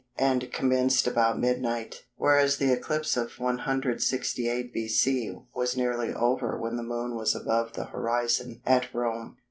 and commenced about midnight, whereas the eclipse of 168 B.C. was nearly over when the Moon was above the horizon at Rome.